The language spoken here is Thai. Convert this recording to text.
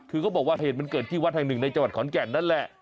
คือเขาบอกว่าเหตุมันเกิดที่วัดแห่งหนึ่งในจังหวัดขอนแก่นนั่นแหละ